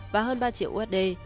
và hơn ba triệu usd